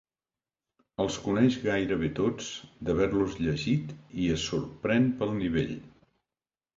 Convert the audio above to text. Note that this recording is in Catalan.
Els coneix gairebé tots d'haver-los llegit i es sorprèn pel nivell.